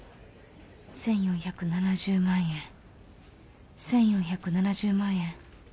１４７０万円１４７０万円